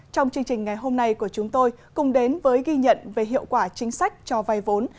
trong chương trình ngày hôm nay của chúng tôi cùng đến với ghi nhận về hiệu quả chính sách cho vay vốn